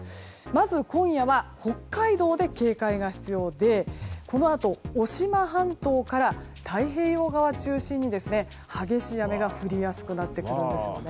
まず今夜は北海道で警戒が必要でこのあと、渡島半島から太平洋側を中心に激しい雨が降りやすくなってくるんです。